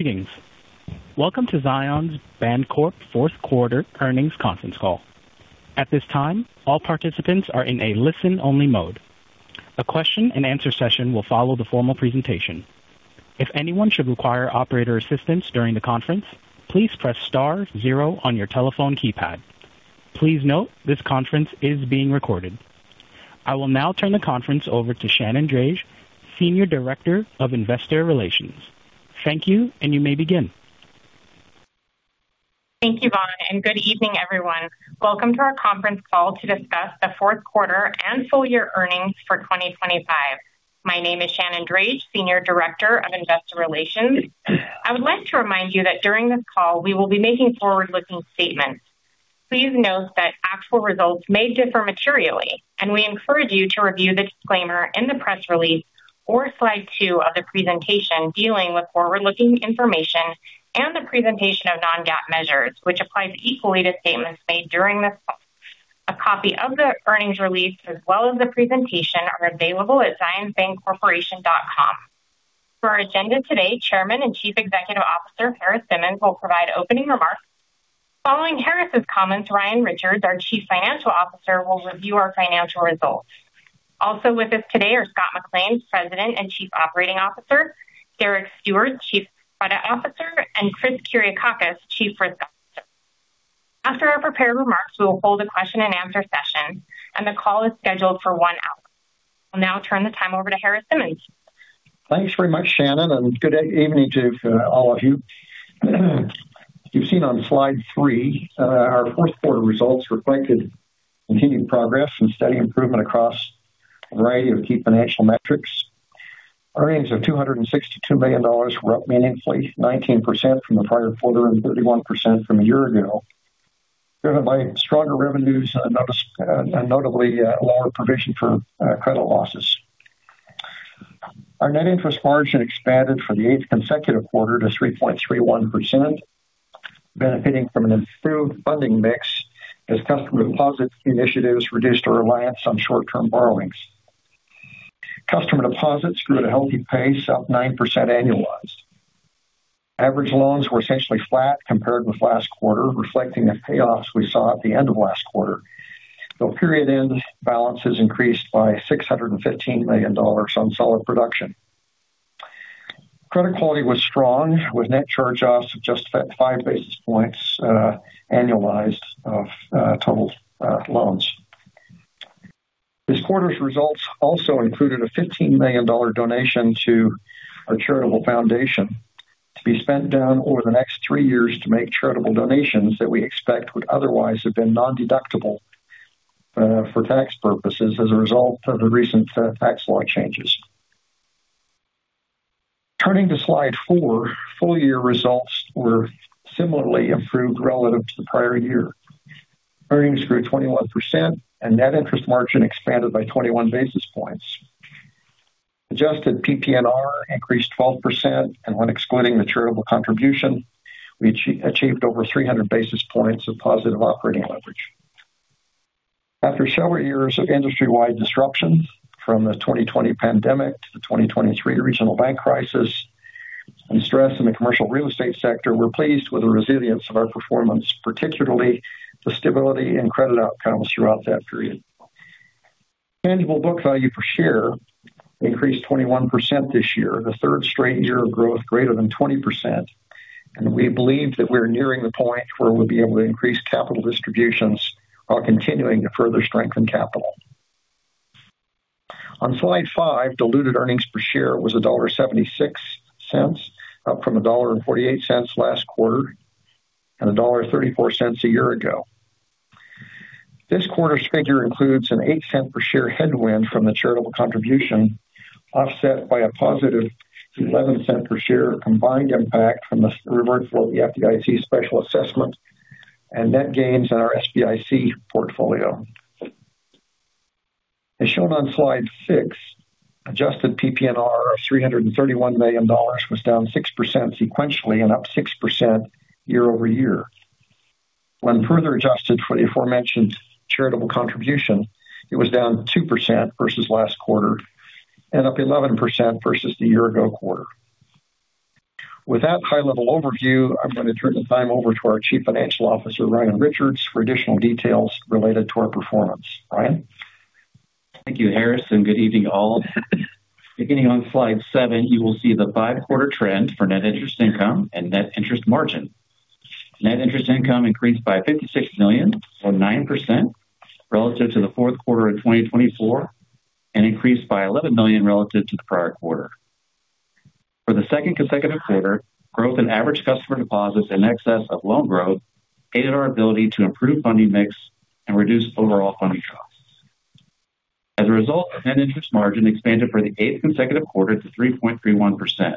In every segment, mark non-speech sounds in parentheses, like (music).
Greetings. Welcome to Zions Bancorp Fourth Quarter Earnings Conference Call. At this time all participants are in a listen-only mode. A question-and-answer session will follow the formal presentation. If anyone should require operator assistance during the conference, please press star zero on your telephone keypad. Please note this conference is being recorded. I will now turn the conference over to Shannon Drage, Senior Director of Investor Relations. Thank you and you may begin. Thank you, Vaughn, and good evening, everyone. Welcome to our conference call to discuss the fourth quarter and full year earnings for 2025. My name is Shannon Drage, Senior Director of Investor Relations. I would like to remind you that during this call we will be making forward-looking statements. Please note that actual results may differ materially, and we encourage you to review the disclaimer in the press release or Slide 2 of the presentation dealing with forward-looking information and the presentation of non-GAAP measures, which applies equally to statements made during this call. A copy of the earnings release as well as the presentation are available at ZionsBancorporation.com. For our agenda today, Chairman and Chief Executive Officer Harris Simmons will provide opening remarks. Following Harris's comments, Ryan Richards, our Chief Financial Officer, will review our financial results. Also with us today are Scott McLean, President and Chief Operating Officer, Derek Stewart, Chief Credit Officer and Chris Kyriakakis, Chief Risk Officer. After our prepared remarks, we will hold a Q&A session and the call is scheduled for one hour. I'll now turn the time over to Harris Simmons. Thanks very much Shannon and good evening to all of you. You've seen on slide 3. Our fourth quarter results reflected continued progress and steady improvement across a variety of key financial metrics. Earnings of $262 million were up meaningfully 19% from the prior quarter and 31% from a year ago, driven by stronger revenues and notably lower provision for credit losses. Our net interest margin expanded for the eighth consecutive quarter to 3.31%, benefiting from an improved funding mix. As customer deposit initiatives reduced our reliance on short term borrowings, customer deposits grew at a healthy pace, up 9%. Annualized average loans were essentially flat compared with last quarter, reflecting the payoffs we saw at the end of last quarter though period end balances increased by $615 million on solid production. Credit quality was strong with net charge offs of just five basis points annualized of total loans. This quarter's results also included a $15 million donation to our charitable foundation to be spent down over the next three years to make charitable donations that we expect would otherwise have been non-deductible for tax purposes as a result of the recent tax law changes. Turning to slide 4, full-year results were similarly improved relative to the prior year. Earnings grew 21% and net interest margin expanded by 21 basis points. Adjusted PPNR increased 12% and when excluding the charitable contribution, we achieved over 300 basis points of positive operating leverage. After several years of industry-wide disruption from the 2020 pandemic to the 2023 regional bank crisis and stress in the commercial real estate sector, we're pleased with the resilience of our performance, particularly the stability and credit outcomes throughout that period. Tangible book value per share increased 21% this year, the third straight year of growth greater than 20%, and we believe that we're nearing the point where we'll be able to increase capital distributions while continuing to further strengthen capital. On slide 5, diluted earnings per share was $1.76, up from $1.48 last quarter and $1.34 a year ago. This quarter's figure includes a $0.08 per share headwind from the charitable contribution, offset by a positive $0.11 per share combined impact from the reward for the FDIC Special Assessment and net gains in our SBIC portfolio. As shown on slide 6, adjusted PPNR of $331 million was down 6% sequentially and up 6% year-over-year. When further adjusted for the aforementioned charitable contribution, it was down 2% versus last quarter and up 11% versus the year ago quarter. With that high level overview, I'm going to turn the time over to our, Chief Financial Officer, Ryan Richards for additional details related to our performance. Ryan, thank you. Harris, and good evening, all. Beginning on slide 7 you will see. The five-quarter trend for net interest income and net interest margin. Net interest income increased by $56 million or 9% relative to the fourth quarter of 2024 and increased by $11 million relative to the prior quarter for the second consecutive quarter. Growth in average customer deposits in excess of loan growth aided our ability to improve funding mix and reduce overall funding costs. As a result, net interest margin expanded for the eighth consecutive quarter to 3.31%.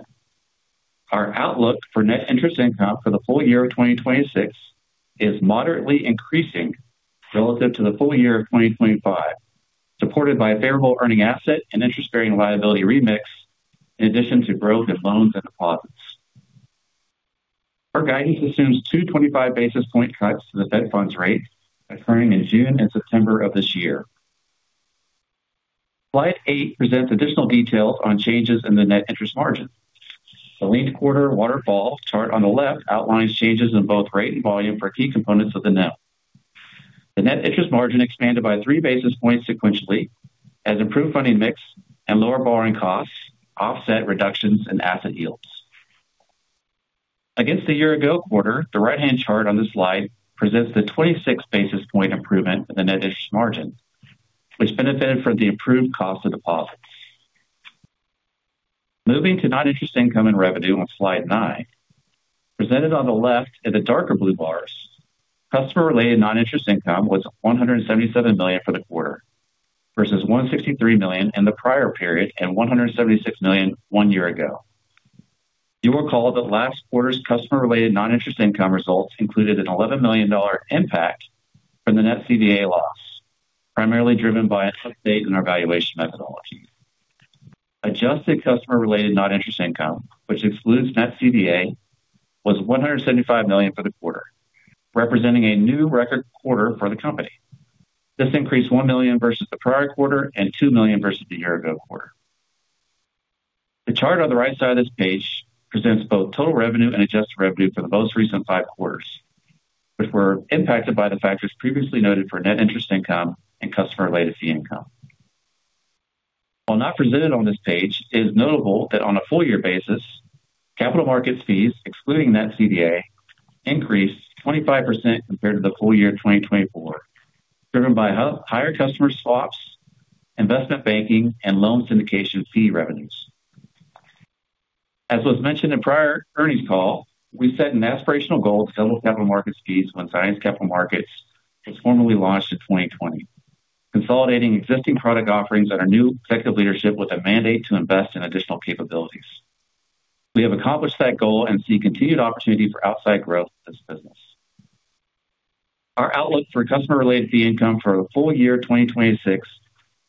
Our outlook for net interest income for the full year of 2026 is moderately increasing relative to the full year of 2025, supported by a favorable earning asset and interest bearing liability remix. In addition to growth in loans and deposits. Our guidance assumes two 25 basis points rate cuts to the Fed Funds rate occurring in June and September of this year. Slide 8 presents additional details on changes in the net interest margin. The linked quarter waterfall chart on the left outlines changes in both rate and volume for key components of the NIM, the net interest margin expanded by three basis points sequentially as improved funding mix and lower borrowing costs offset reductions in asset yields against the year ago quarter. The right hand chart on this slide presents the 26 basis points improvement in the net interest margin which benefited from the improved cost of deposits moving to noninterest income and revenue. On slide 9, presented on the left in the darker blue bars, customer-related noninterest income was $177 million for the quarter versus $163 million in the prior period and $176 million one year ago. You will recall that last quarter's customer-related noninterest income results included an $11 million impact from the net CVA loss, primarily driven by an update in our valuation methodology. Adjusted customer-related noninterest income, which excludes net CVA, was $175 million for the quarter, representing a new record quarter for the company. This increased $1 million versus the prior quarter and $2 million versus the year ago quarter. The chart on the right side of this page presents both total revenue and adjusted revenue for the most recent five quarters, which were impacted by the factors previously noted for net interest income and customer-related fee income. While not presented on this page, it is notable that on a full year basis, capital markets fees excluding net CVA increased 25% compared to the full year 2024 driven by higher customer swaps, investment banking and loan syndication fee revenues. As was mentioned in prior earnings call, we set an aspirational goal to double capital markets fees when Zions Capital Markets was formally launched in 2020, consolidating existing product offerings under new executive leadership with a mandate to invest in additional capabilities. We have accomplished that goal and see continued opportunity for outsize growth this business. Our outlook for customer related fee income for the full year 2026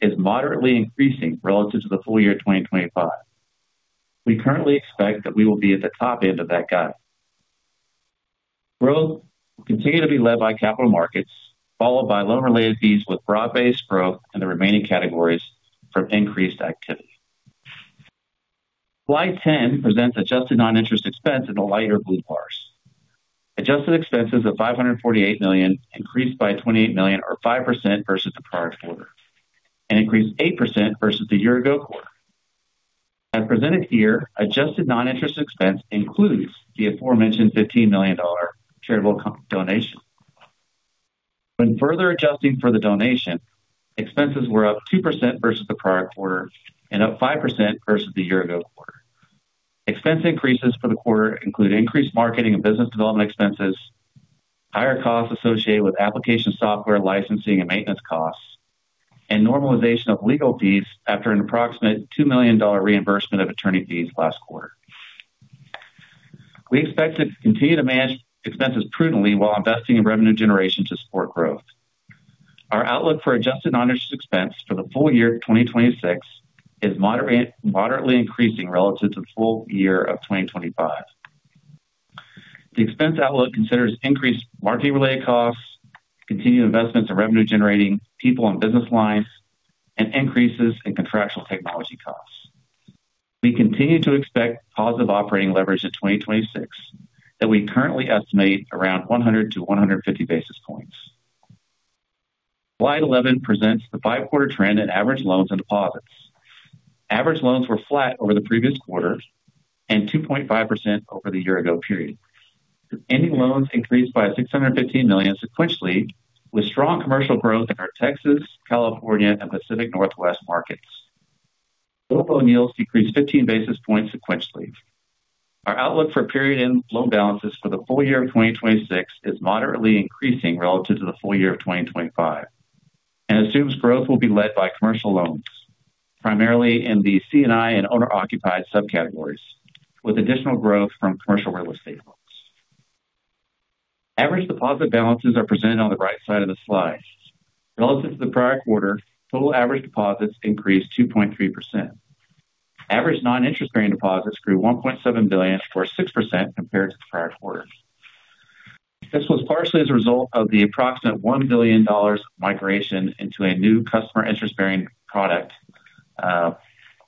is moderately increasing relative to the full year 2025. We currently expect that we will be at the top end of that guide. Growth will continue to be led by capital markets followed by loan-related fees with broad-based growth in the remaining categories from increased activity. Slide 10 presents adjusted noninterest expense in the lighter blue bars. Adjusted expenses of $548 million increased by $28 million or 5% versus the prior quarter and increased 8% versus the year-ago quarter. As presented here, adjusted noninterest expense includes the aforementioned $15 million charitable donation. When further adjusting for the donation, expenses were up 2% versus the prior quarter and up 5% versus the year-ago quarter. Expense increases for the quarter include increased marketing and business development expenses, higher costs associated with application software licensing and maintenance costs, and normalization of legal fees. After an approximate $2 million reimbursement of attorney fees last quarter, we expect to continue to manage expenses prudently while investing in revenue generation to support growth. Our outlook for adjusted noninterest expense for the full year 2026 is moderately increasing relative to the full year of 2025. The expense outlook considers increased marketing related costs, continued investments in revenue generating people and business lines, and increases in contractual technology costs. We continue to expect positive operating leverage in 2026 that we currently estimate around 100 to 150 basis points. Slide 11 presents the five quarter trend in average loans and deposits. Average loans were flat over the previous quarter and 2.5% over the year ago. Period ending loans increased by $615 million sequentially with strong commercial growth in our Texas, California and Pacific Northwest markets. Loan yields decreased 15 basis points sequentially. Our outlook for period-end loan balances for the full year of 2026 is moderately increasing relative to the full year of 2025 and assumes growth will be led by commercial loans, primarily in the C&I and owner occupied subcategories with additional growth from commercial real estate books. Average deposit balances are presented on the right side of the slide. Relative to the prior quarter, total average deposits increased 2.3%. Average non-interest-bearing deposits grew $1.7 billion or 6% compared to the prior quarter. This was partially as a result of the approximate $1 billion migration into a new customer interest-bearing product.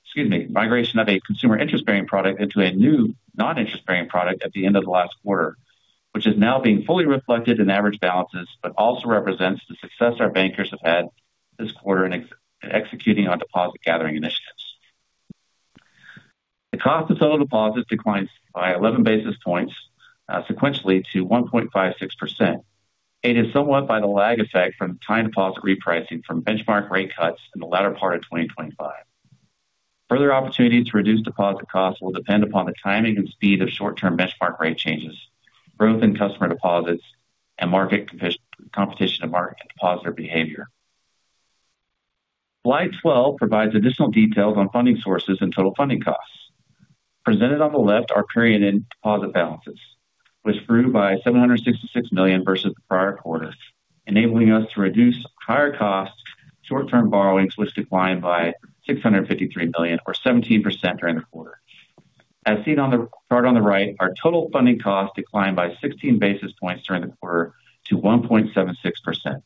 Excuse me, migration of a consumer interest-bearing product into a new non-interest-bearing product at the end of the last quarter, which is now being fully reflected in average balances but also represents the success our bankers have had this quarter in executing on deposit-gathering initiatives. The cost of total deposits declines by 11 basis points sequentially to 1.56%, aided somewhat by the lag effect from time deposit repricing from benchmark rate cuts in the latter part of 2025. Further opportunity to reduce deposit costs will depend upon the timing and speed of short-term benchmark rate changes, growth in customer deposits, and market competition and market depositor behavior. Slide 12 provides additional details on funding sources and total funding costs. Presented on the left are period-end deposit balances which grew by $766 million versus the prior quarter, enabling us to reduce higher-cost short-term borrowings which declined by $653 million or 17% during the quarter. As seen on the chart on the right, our total funding cost declined by 16 basis points during the quarter to 1.76%.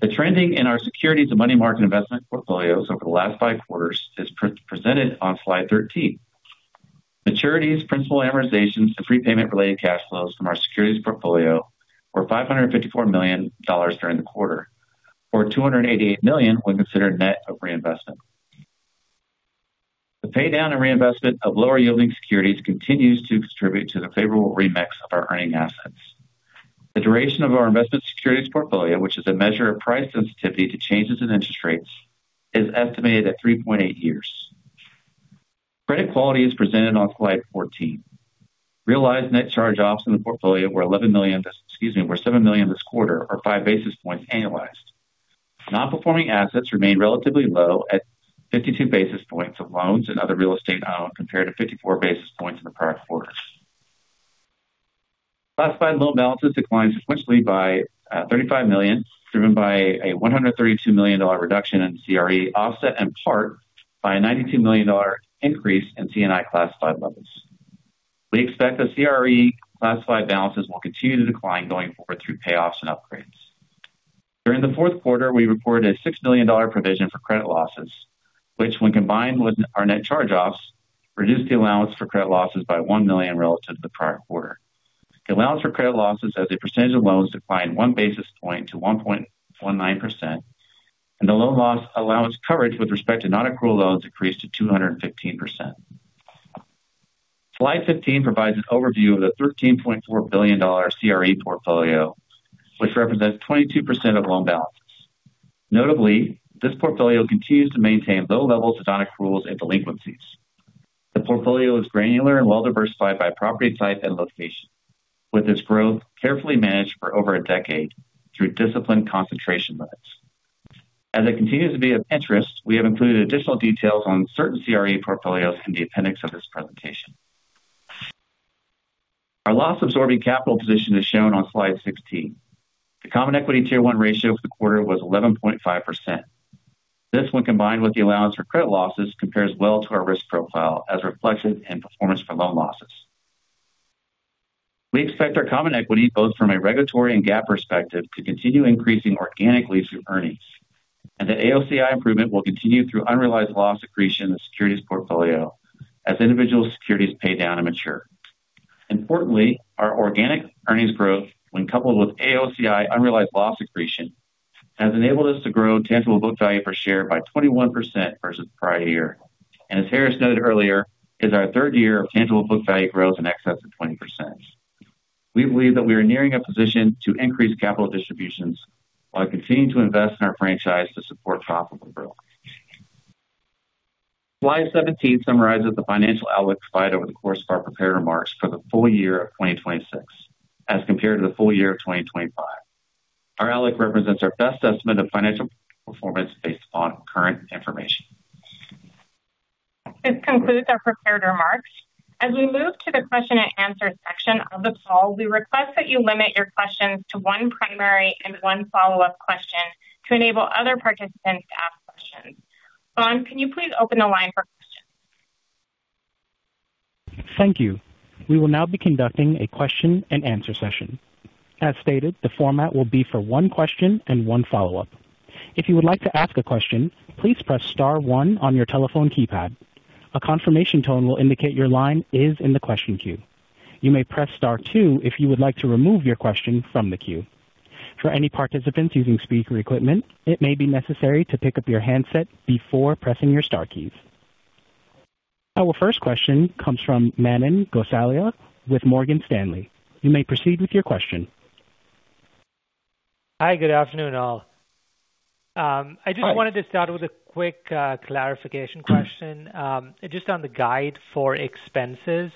The trending in our securities and money market investment portfolios over the last five quarters is presented on slide 13. Maturities, principal amortizations, and prepayment-related cash flows from our securities portfolio were $554 million during the quarter or $288 million when considered net of reinvestment. The pay down and reinvestment of lower yielding securities continues to contribute to the favorable remix of our earning assets. The duration of our investment securities portfolio, which is a measure of price sensitivity to changes in interest rates, is estimated at 3.8 years. Credit quality is presented on Slide 14. Realized net charge-offs in the portfolio were $11 million, excuse me, were $7 million this quarter or 5 basis points. Annualized non-performing assets remain relatively low at 52 basis points of loans and other real estate compared to 54 basis points in the prior quarter. Classified loan balances declined sequentially by $35 million driven by a $132 million reduction in CRE offset in part by a $92 million increase in C&I classified levels. We expect the CRE classified balances will continue to decline going forward through payoffs and upgrades. During the fourth quarter we reported a $6 million provision for credit losses which when combined with our net charge-offs reduced the allowance for credit losses by $1 million relative to the prior quarter. The allowance for credit losses as a percentage of loans declined one basis point to 1% and the loan loss allowance coverage with respect to non-accrual loans decreased to 215%. Slide 15 provides an overview of the $13.4 billion CRE portfolio which represents 22% of loan balances. Notably, this portfolio continues to maintain low levels of non-accrual loans and delinquencies. The portfolio is granular and well diversified by property type and location, with its growth carefully managed for over a decade through disciplined concentration limits as it continues to be originated. We have included additional details on certain CRE portfolios in the appendix of this presentation. Our loss-absorbing capital position is shown on slide 16. The Common Equity Tier 1 ratio for the quarter was 11.5%. This when combined with the allowance for credit losses compares well to our risk profile as reflected in performance for loan losses. We expect our common equity, both from a regulatory and GAAP perspective, to continue increasing organically through earnings and the AOCI improvement will continue through unrealized loss accretion in the securities portfolio as individual securities pay down and mature. Importantly, our organic earnings growth when coupled with AOCI unrealized loss accretion has enabled us to grow tangible book value per share by 21% versus the prior year and, as Harris noted earlier, is our third year of tangible book value growth in excess of 20%. We believe that we are nearing a position to increase capital distributions while continuing to invest in our franchise to support profitable growth. Slide 17 summarizes the financial outlook provided over the course of our prepared remarks for the full year of 2026 as compared to the full year of 2025. Our outlook represents our best estimate of financial performance based upon current information. This concludes our prepared remarks as we move to the Q&A section of the call. We request that you limit your questions to one primary and one follow up question to enable other participants to ask questions. Vaughn, can you please open the line for questions? Thank you. We will now be conducting a Q&A session. As stated, the format will be for one question and one follow up. If you would like to ask a question, please press Star one on your telephone keypad. A confirmation tone will indicate your line is in the question queue. You may press Star two if you would like to remove your question from the queue. For any participants using speaker equipment, it may be necessary to pick up your handset before pressing your star keys. Our first question comes from Manan Gosalia with Morgan Stanley. You may proceed with your question. Hi, good afternoon all. I just wanted to start with a quick clarification question just on the guide for expenses.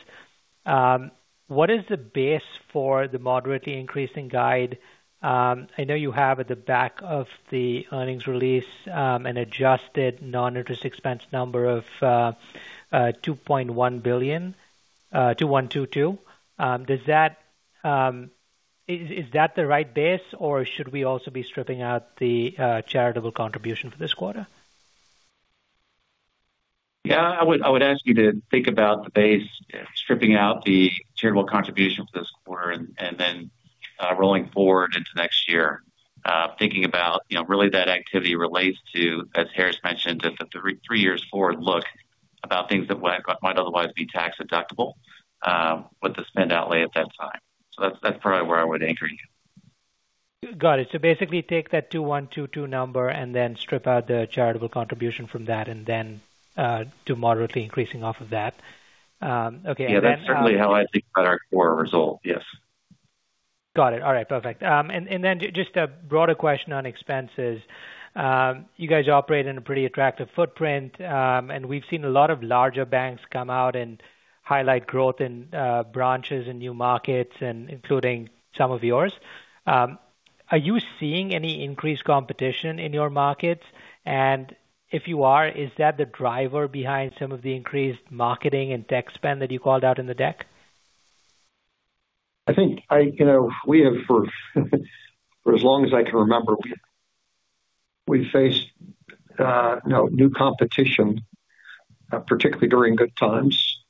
What is the base for the moderately increasing guide? I know you have at the back of the earnings release an adjusted non-interest expense number of $2.1 billion-$122 billion. Does that? Is that the right base or should we also be stripping out the charitable contribution for this quarter? Yeah, I would ask you to think about the base stripping out the charitable contribution for this quarter and then rolling forward into next year thinking about really that activity relates to, as Harris mentioned, three years forward, look about things that might otherwise be tax deductible with the spend outlay at that time. So that's probably where I would anchor you. Got it. So basically take that 2122 number and then strip out the charitable contribution from that and then do moderately increasing off of that. Okay? Yeah, that's certainly how I think about our core result. Yes. Got it. All right, perfect. And then just a broader question on expenses. You guys operate in a pretty attractive footprint and we've seen a lot of larger banks come out and highlight growth in branches and new markets, including some of yours. Are you seeing any increased competition in your markets? And if you are, is that the driver behind some of the increased marketing and tech spend that you called out in the deck. I think we have, for as long as I can remember, we faced new competition, particularly during good times.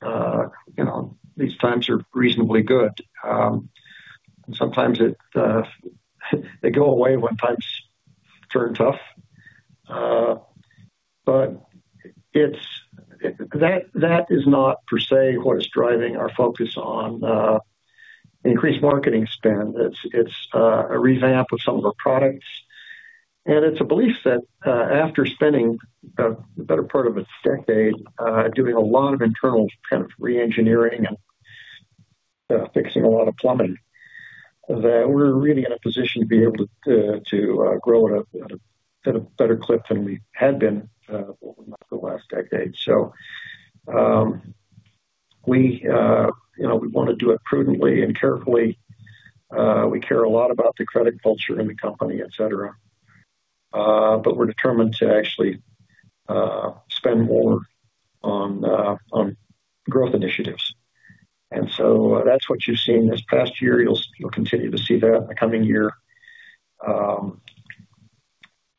These times are reasonably good. Sometimes they go away when times turn tough, but that is not per se what is driving our focus on increased marketing spend. It's a revamp of some of our products. And it's a belief that after spending the better part of a decade doing a lot of internal kind of re-engineering and fixing a lot of plumbing, that we're really in a position to be able to grow at a better clip than we had been the last decade. So, we, you know, we want to do it prudently and carefully. We care a lot about the credit culture in the company, et cetera, but we're determined to actually spend more on growth initiatives. And so that's what you've seen this past year. You'll continue to see that in the coming year.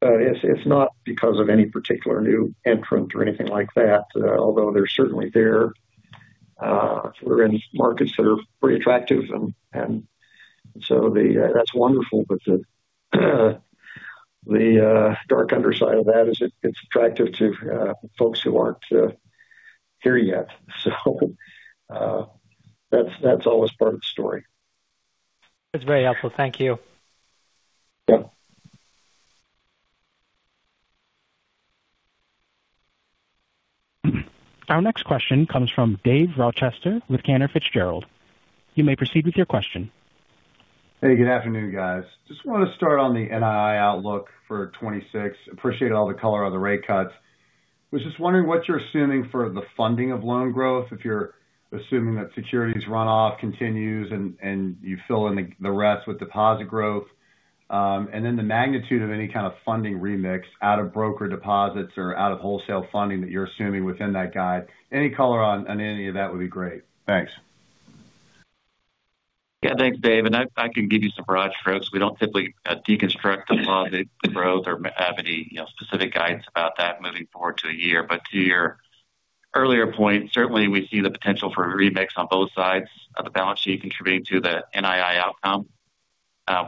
It's not because of any particular new entrant or anything like that, although they're certainly there. We're in markets that are pretty attractive, and so that's wonderful. But, the dark underside of that is it's attractive to folks who aren't here yet, so that's always part of the story. That's very helpful. Thank you. Our next question comes from Dave Rochester with Cantor Fitzgerald. You may proceed with your question. Hey, good afternoon, guys. Just want to start on the NII outlook for 2026. Appreciate all the color on the rate cuts, was just wondering what you're assuming for the funding of loan growth? If you're assuming that securities runoff continues and you fill in the rest with deposit growth and then the magnitude of any kind of funding remix out of broker deposits or out of wholesale funding that you're assuming within that guide? Any color on any of that would be great. Thanks. Yeah, thanks, Dave. And I can give you some broad strokes. We don't typically deconstruct the positive growth or have any specific guidance about that moving forward to a year. But to your earlier point, certainly we see the potential for a remix on both sides of the balance sheet contributing to the NII outcome.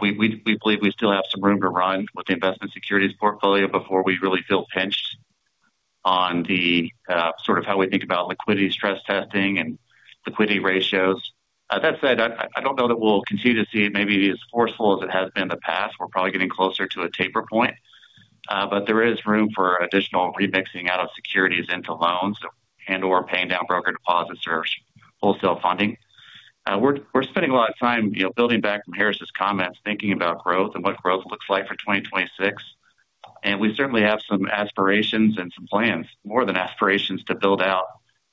We believe we still have some room to run with the investment securities portfolio before we really feel pinched on the sort of how we think about liquidity stress testing and liquidity ratios. That said, I don't know that we'll continue to see it maybe as forceful as it has been in the past. We're probably getting closer to a taper point. But there is room for additional remixing out of securities into loans and or paying down broker deposit sources, wholesale funding. We're spending a lot of time building back from Harris's comments, thinking about growth and what growth looks like for 2026. And we certainly have some aspirations and some plans, more than aspirations to build out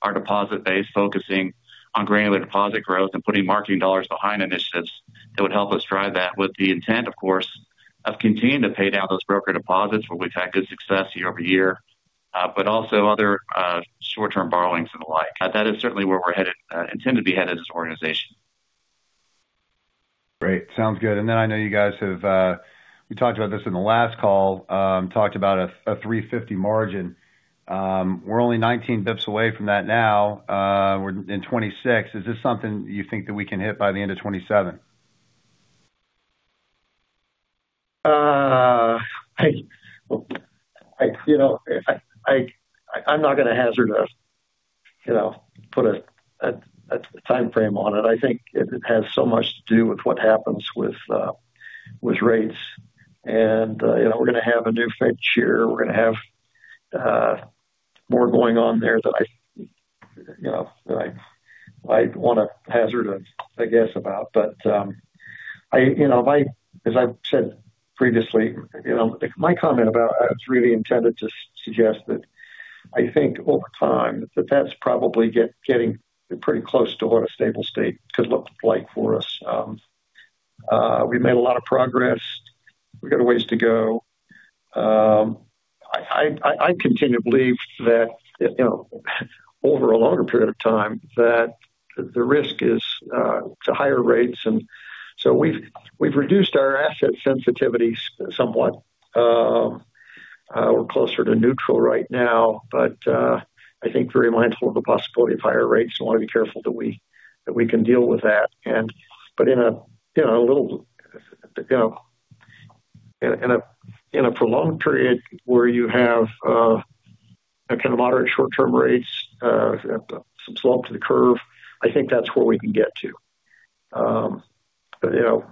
our deposit base, focusing on granular deposit growth and putting marketing dollars behind initiatives that would help us drive that. With the intent of course of continuing to pay down those broker deposits where we've had good success year-over-year, but also other short-term borrowings and the like. That is certainly where we're headed, intend to be headed as an organization. Great. Sounds good. And then I know you guys have talked about this in the last call, talked about a 350 margin. We're only 19 basis points away from that now we're in 26. Is this something you think that we can hit by the end of 2027? You know, I'm not going to hazard a, you know, put a time frame on it. I think it has so much to do with what happens with rates and you know, we're going to have a new Fed chair, we're going to have more going on there that I, you know, I want to hazard a guess about. But, as I said previously, my comment about it's really intended to suggest that I think over time that that's probably getting pretty close to what a stable state could look like for us. We've made a lot of progress, we've got a ways to go. I continue to believe that over a longer period of time that the risk is higher rates and so we've reduced our asset sensitivities somewhat. We're closer to neutral right now, but I think very mindful of the possibility of higher rates and want to be careful that we can deal with that. But in a prolonged period where you have kind of moderate short term rates, some slope to the curve, I think that's where we can get to. But you know,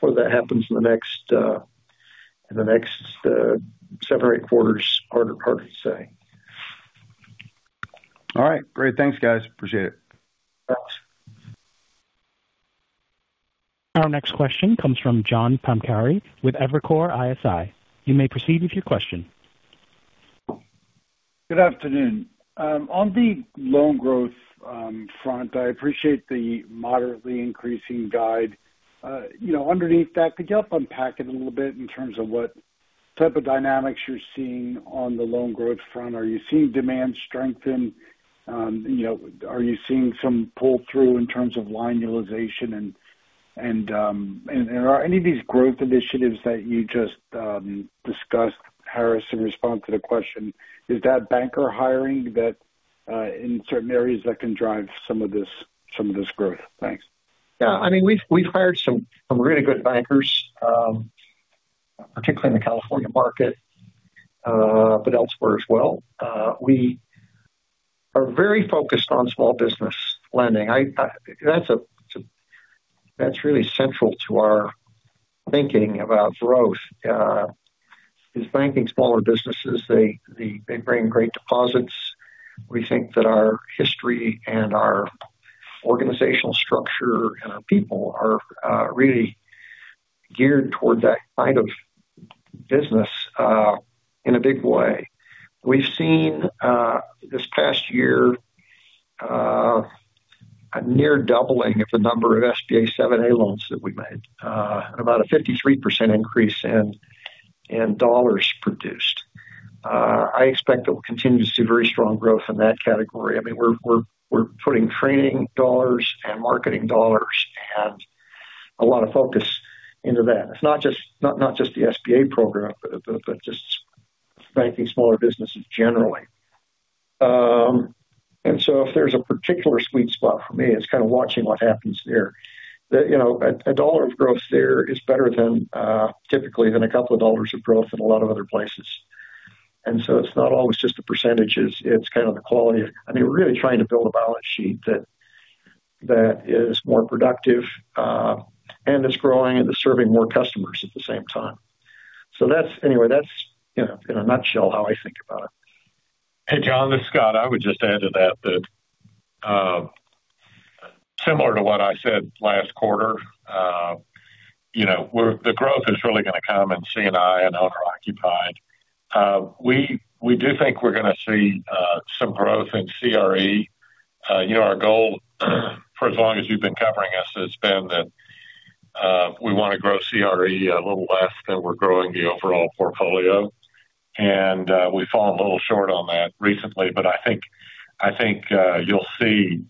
whether that happens in the next seven or eight quarters, harder to say. All right, great. Thanks guys. Appreciate it. Thanks. Our next question comes from John Pancari with Evercore ISI. You may proceed with your question. Good afternoon. On the loan growth front, I appreciate the moderately increasing guide, you know, underneath that. Could you help unpack it a little? But in terms of what type of dynamics you're seeing on the loan growth front? Are you seeing demand strengthen, you know, are you seeing some pull through in terms of line utilization? And are any of these growth initiatives that you just discussed, Harris, in response to the question, is that banker hiring in certain areas that can drive some of this growth? Thanks. Yeah, I mean, we've hired some really good bankers, particularly in the California market. But elsewhere as well, we are very focused on small business lending. That's really central to our thinking about growth is banking smaller businesses. They bring great deposits. We think that our history and our organizational structure and our people are really geared toward that kind of business in a big way. We've seen this past year a near doubling of the number of SBA 7(a) loans that we made, about a 53% increase in dollars produced. I expect that we'll continue to see very strong growth in that category. I mean, we're putting training dollars and marketing dollars and a lot of focus into that. It's not just the SBA program, but just banking smaller businesses generally, and so if there's a particular sweet spot, for me, it's kind of watching what happens there. A dollar of growth there is better than typically a couple of dollars of growth in a lot of other places, and so it's not always just the percentages. It's kind of the quality. I mean, we're really trying to build a balance sheet that is more productive and it's growing and is serving more customers at the same time, so that's. Anyway, that's in a nutshell how I think about it. Hey, John, this is Scott. I would just add to that, that similar to what I said last quarter, you know, the growth is really going to come in C&I and Owner Occupied. We do think we're going to see some growth in CRE. You know, our goal for as long as you've been covering us has been that we want to grow CRE a little less than we're growing the overall portfolio, and we've fallen a little short on that recently, but I think you'll see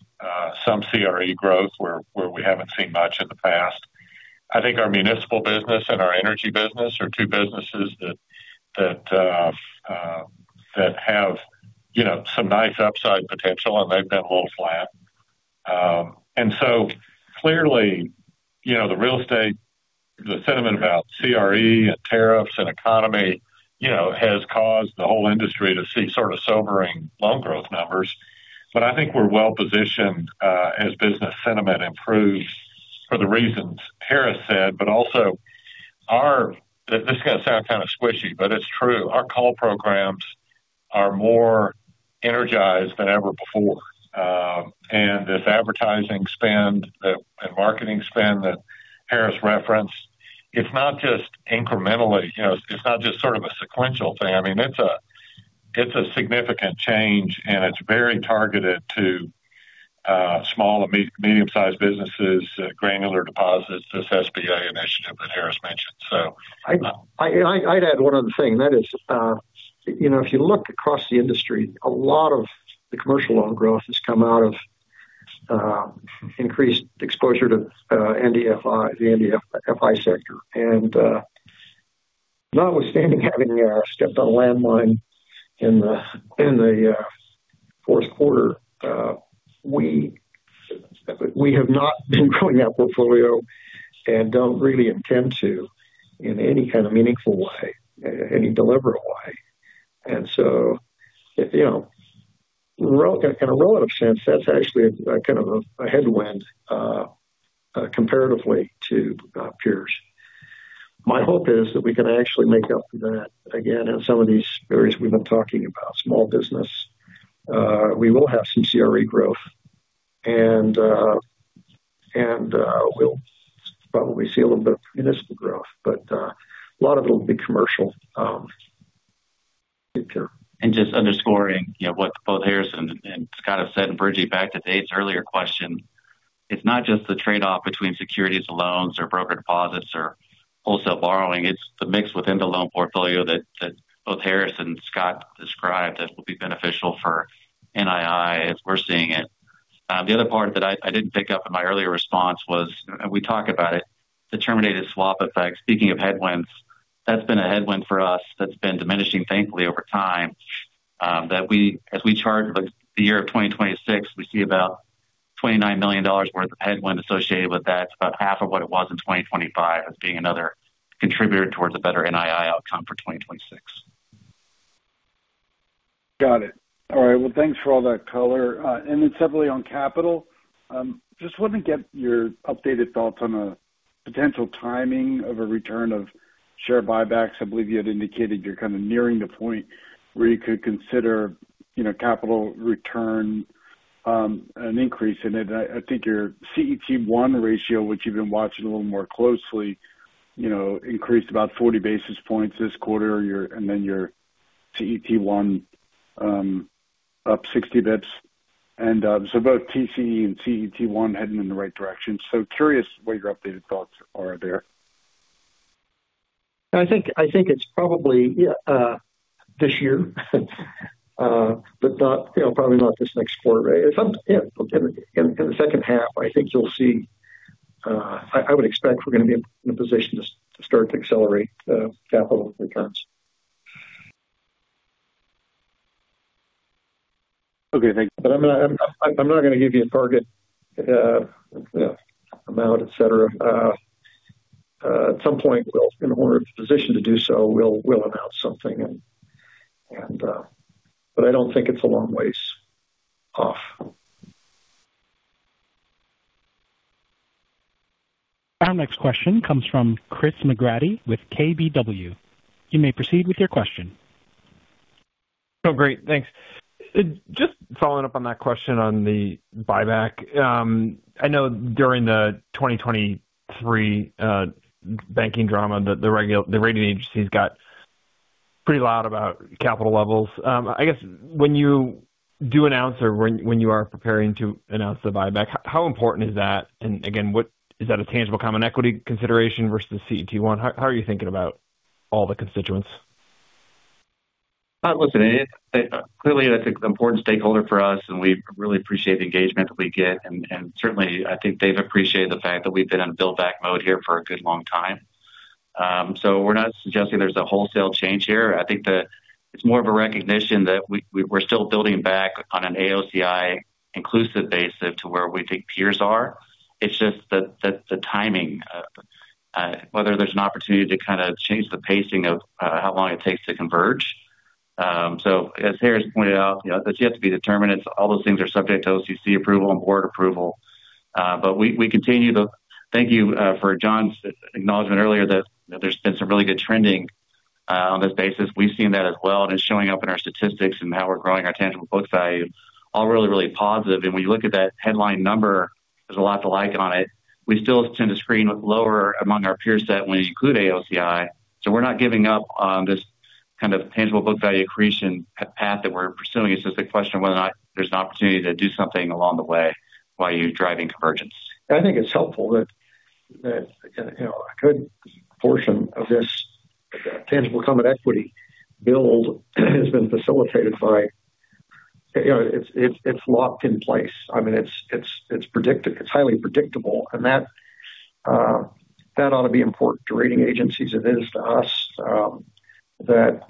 some CRE growth where we haven't seen much in the past. I think our municipal business and our energy business are two businesses that have, you know, some nice upside potential and they've been a little flat, and so clearly, you know, the real estate, the sentiment about CRE and tariffs and economy, you know, has caused the whole industry to see sort of sobering loan growth numbers, but I think we're well positioned as business sentiment improves for the reasons Harris said. But also our, this is going to sound kind of squishy, but it's true. Our call programs are more energized than ever before, and this advertising spend and marketing spend that Harris referenced. It's not just incrementally, it's not just sort of a sequential thing. I mean, it's a significant change and it's very targeted to small and medium sized businesses. Granular deposits, this SBA initiative that Harris mentioned. I'd add one other thing and that is, you know, if you look across the industry, a lot of the commercial loan growth has come out of increased exposure to NDFI, the NDFI sector. And notwithstanding having stepped on a landmine in the fourth quarter, we have not been growing that portfolio and don't really intend to in any kind of meaningful way, any deliberate way. And so, you know, in a relative sense, that's actually kind of a headwind comparatively to peers. My hope is that we can actually make up for that again in some of these areas. We've been talking about small business. We will have some CRE growth and we'll probably see a little bit of municipal growth, but a lot of it will be commercial. Just underscoring what both Harris and Scott have said. And, Bridget, back to Dave's earlier question. It's not just the trade off between securities loans or broker deposits or wholesale borrowing. It's the mix within the loan portfolio that both Harris and Scott discussed that will be beneficial for NII as we're seeing it. The other part that I didn't pick up in my earlier response was we talk about it, the terminated swap effect. Speaking of headwinds, that's been a headwind for us. That's been diminishing thankfully over time. That we, as we chart the year of 2026, we see about $29 million worth of headwind associated with that. About half of what it was in 2025 as being another contributor towards a better NII outcome for 2026. Got it. All right, well, thanks for all that color. And then separately on capital, just want to get your updated thoughts on the potential timing of a return of share buybacks. I believe you had indicated you're kind of nearing the point where you could consider capital return an increase in it. I think your CET1 ratio, which you've been watching a little more closely, you know, increased about 40 basis points this quarter and then your CET1 up 60 basis points. And so both TCE and CET1 heading in the right direction. So curious what your updated thoughts are there. I think it's probably this year, but not, you know, probably not this next quarter. In the second half. I think you'll see, I would expect we're going to be in a position to start to accelerate capital returns. Okay, thank you. But I'm not going to give you a target amount, et cetera. At some point in order of the position to do so, we'll announce something, but I don't think it's a long ways off. Our next question comes from Chris McGratty with KBW. You may proceed with your question. Oh, great. Thanks. Just following up on that question on the buyback. I know during the 2023 banking drama, the rating agencies got pretty loud about capital levels. I guess when you do announce or when you are preparing to announce the buyback, how important is that? And again, what is that? A tangible common equity consideration versus the CET one. How are you thinking about all the constituents? Listen, clearly that's an important stakeholder for us and we really appreciate the engagement that we get. And certainly I think they've appreciated the fact that we've been in build back mode here for a good long time. So we're not suggesting there's a wholesale change here. I think that it's more of a recognition that we're still building back on an AOCI inclusive basis to where we think peers are. It's just the timing, whether there's an opportunity to kind of change the pacing of how long it takes to converge. So as Harris pointed out, that's yet to be determined. All those things are subject to OCC approval and board approval. But we continue to thank you for John's acknowledgment earlier that there's been some really good trending on this basis. We've seen that as well and it's showing up in our statistics and how we're growing our tangible book value. All really, really positive. And when you look at that headline number, there's a lot to like on it. We still tend to screen with lower among our peers set when you include AOCI. So we're not giving up on this kind of tangible book value accretion path that we're pursuing. It's just a question of whether or not there's an opportunity to do something along the way while you're driving convergence. I think it's helpful that a good portion of this tangible common equity build has been facilitated by its locked in place. I mean, it's highly predictable and that ought to be important to rating agencies. It is to us that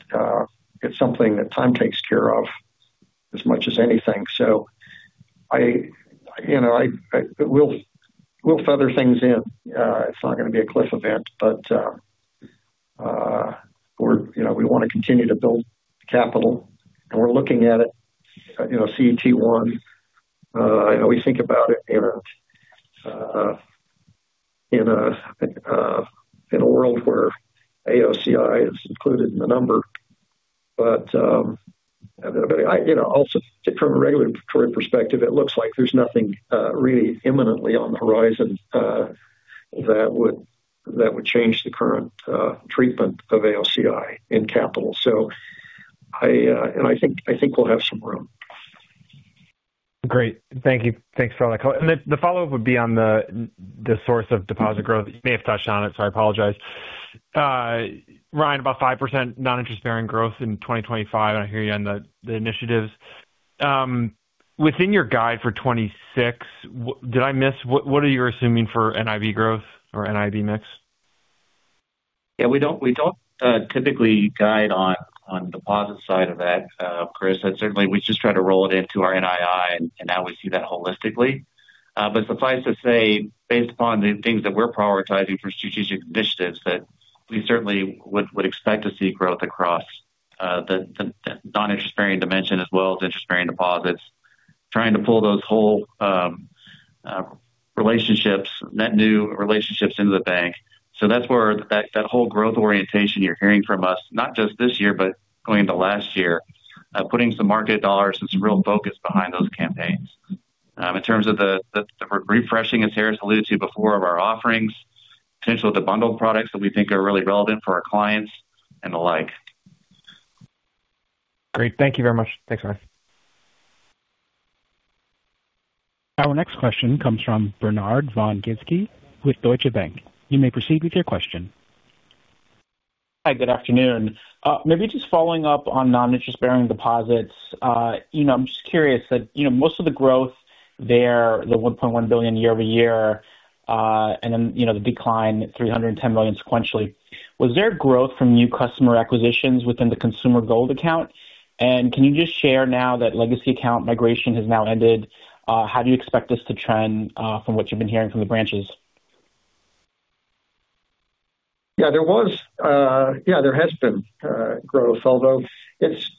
it's something that time takes care of as much as anything. So I, you know, I will feather things in. It's not going to be a cliff event. But you know, we want to continue to build capital and we're looking at it, you know, CET1, we think about it and. In a world where AOCI is included in the number, but also from a regulatory perspective, it looks like there's nothing really imminently on the horizon that would change the current treatment of AOCI in capital. So I think we'll have some room. Great, thank you. Thanks for all that. The follow-up would be on the source of deposit growth. You may have touched on it. I apologize. Ryan, about 5% non-interest-bearing growth in 2025. I hear you. On the initiatives within your guidance for 2026. Did I miss, what are you assuming for NII growth or NIB mix? Yeah, we don't, we don't typically guide on deposit side of that, Chris. Certainly we just try to roll it into our NII and now we see that holistically. But suffice to say based upon the things that we're prioritizing for strategic initiatives, that we certainly would expect to see growth across the non-interest-bearing dimension as well as interest-bearing deposits. Trying to pull those whole relationships, net new relationships into the bank. So that's where that whole growth orientation you're hearing from us not just this year, but going into last year, putting some market dollars is real focus behind those campaigns in terms of the refreshing, as Harris alluded to before, of our offerings potential of the bundled products that we think are really relevant for our clients and the like. Great, thank you very much. Thanks, Ryan. Our next question comes from Bernard Von Gizycki with Deutsche Bank. You may proceed with your question. Hi, good afternoon. Maybe just following up on non-interest-bearing deposits. You know, I'm just curious that, you. No, most of the growth there, the $1.1 billion year-over-year and then you know, the decline, $310 million sequentially. Was there growth from new customer acquisitions within the Consumer Gold Account? Can you just share now that legacy account migration has now ended? How do you expect this to trend from what you've been hearing from the branches? Yeah, there was, yeah, there has been growth. Although it's,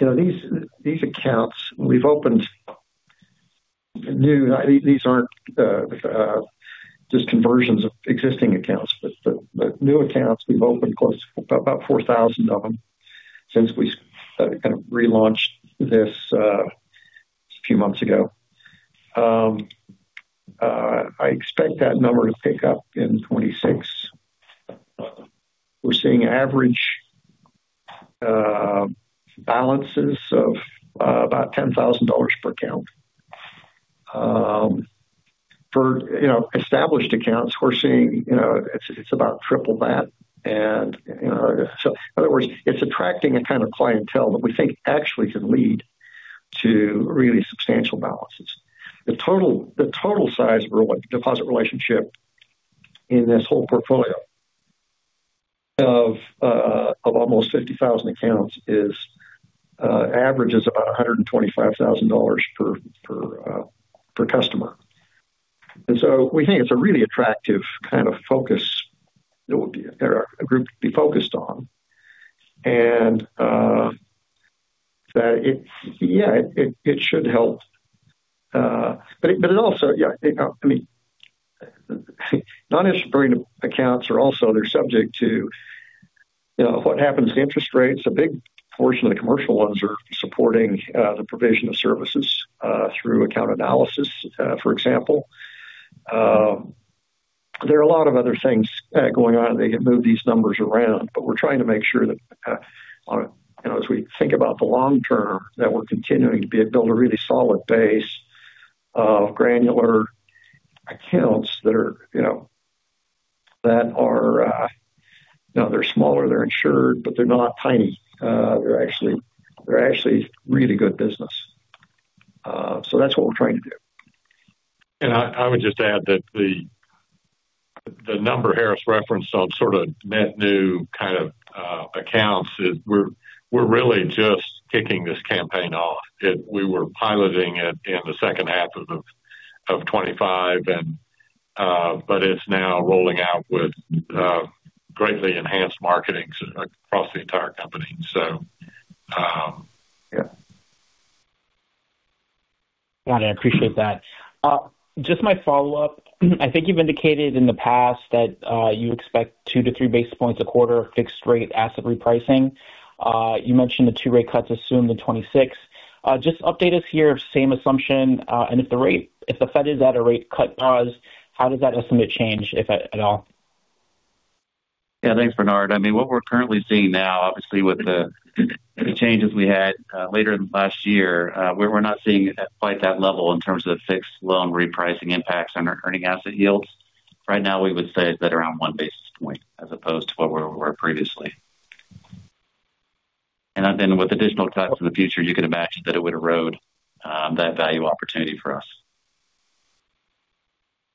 you know, these accounts we've opened new, these aren't just conversions of existing accounts, but new accounts. We've opened close to about 4,000 of them since we relaunched this a few months ago. I expect that number to pick up in 2026. We're seeing average balances of about $10,000 per account. For you know, established accounts. We're seeing, you know, it's about triple that. And so in other words, it's attracting a kind of clientele that we think actually can lead to really substantial balances. The total size of deposit relationship in this whole portfolio of almost 50,000 accounts is, averages about $125,000 per customer. And so we think it's a really attractive kind of focus group to be focused on. And, yeah, it should help. But it, also, yeah, I mean non-interest-bearing accounts are also, they're subject to, you know what happens to interest rates. A big portion of the commercial loans are supporting the provision of services through account analysis, for example. There are a lot of other things going on. They can move these numbers around. But we're trying to make sure that, you know, as we think about the long term that we're continuing to build a really solid base of granular accounts that are, you know, that are now, they're smaller, they're insured, but they're not tiny. They're actually, they're actually really good business. So that's what we're trying to do. And I would just add that the number Harris referenced on sort of net new kind of accounts. We're really just kicking this campaign off. We were piloting it in 2H25, but it's now rolling out with greatly enhanced marketing across the entire company. I appreciate that. Just my follow up, I think you've indicated in the past that you expect two to three basis points a quarter fixed rate asset repricing. You mentioned the two rate cuts assumed the 2026. Just update us here same assumption. And if the rate, if the Fed is at a rate cut. Pause. How does that estimate change if at all? Yeah, thanks, Bernard. I mean what we're currently seeing now obviously with the changes we had later last year, we're not seeing quite that level in terms of the fixed loan repricing impacts on our earning asset yields. Right now we would say it's at around one basis point as opposed to where we were previously. And then with additional cuts in the future you could imagine that it would erode that value opportunity for us.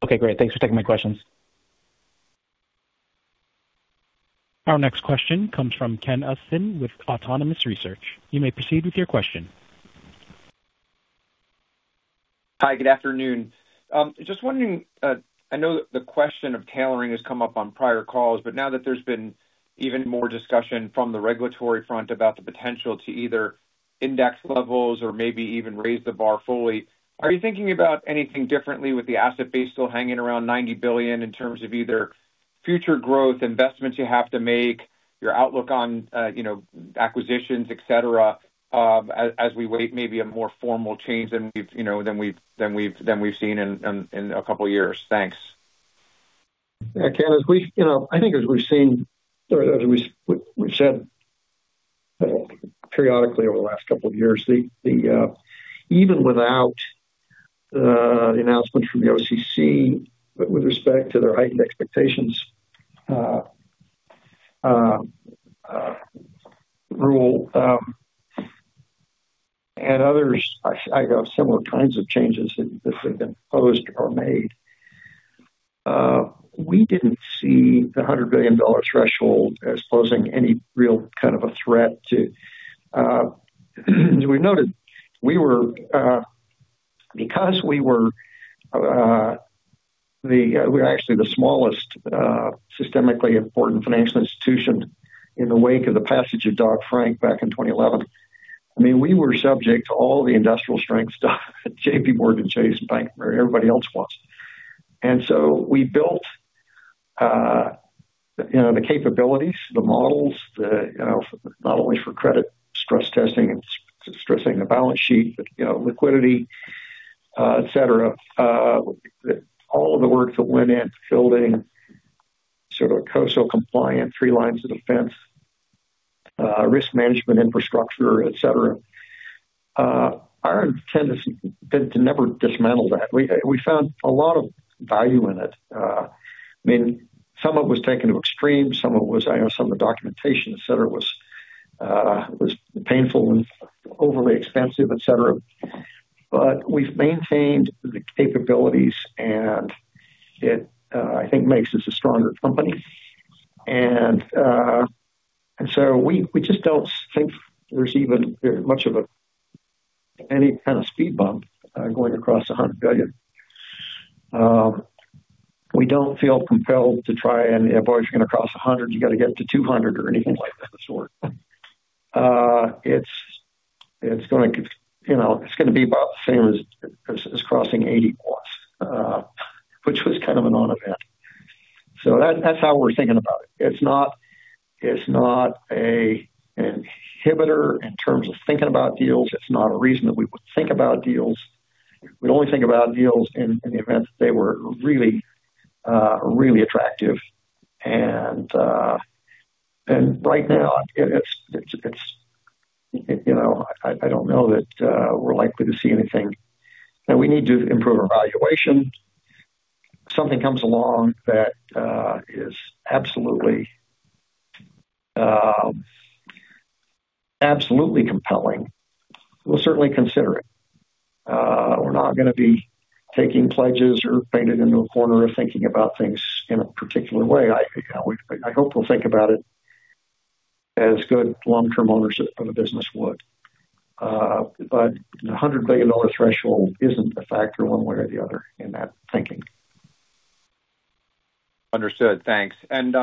Okay, great. Thanks for taking my questions. Our next question comes from Ken Usdin with Autonomous Research. You may proceed with your question. Hi, good afternoon. Just wondering, I know the question of tailoring has come up on prior calls, but now that there's been even more discussion from the regulatory front about the potential to either index levels or maybe even raise the bar fully, are you thinking about anything differently? With the asset base still hanging around $90 billion in terms of either future growth investments, you have to make your outlook on acquisitions, et cetera, as we wait, maybe a more formal change than we've, you know, seen in a couple years. Thanks, Ken. As we, you know, I think as we've said periodically over the last couple of years, even without the announcements from the OCC with respect to their Heightened Expectations rule. Others, I have similar kinds of changes that have been posed or made. We didn't see the $100 billion threshold as posing any real kind of a threat to us. We noted we were because we were. We're actually the smallest systemically important financial institution in the wake of the passage of Dodd-Frank back in 2011. I mean we were subject to all the industrial strength stuff, JPMorgan Chase Bank, everybody else was. And so we built the capabilities, the models not only for credit stress testing and stressing the balance sheet, but liquidity, et cetera. All of the work that went in building sort of COSO compliant three lines of defense, risk management infrastructure, et cetera, our intent has been to never dismantle that. We found a lot of value in it. I mean some of it was taken to extremes, some of it was. I know some of the documentation, et cetera, was painful and overly expensive, etc. But we've maintained the capabilities and it I think makes us a stronger company. And so we just don't think there's even much of a, any kind of speed bump going across $100 billion. We don't feel compelled to try. And boy, if you're going to cross 100, you got to get to $200 billion or anything like that sort of. It's going to be about the same as crossing $80 billion, which was kind of a non-event. So that's how we're thinking about it. It's not an inhibitor in terms of thinking about deals. It's not a reason that we would think about deals. We'd only think about deals in the event that they were really, really attractive. And right now, I don't know that we're likely to see anything we need to improve our valuation. Something comes along that is absolutely compelling, we'll certainly consider it. We're not going to be taking pledges or painted into a corner or thinking about things in a particular way. I hope we'll think about it as good long term owners of a business would. But $100 billion threshold isn't a factor one way or the other in that thinking. Understood. Thanks. And